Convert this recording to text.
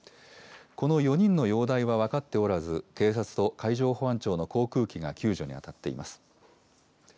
この４人の容体は分かっておらず、警察と海上保安庁の航空機が救助に当たっています。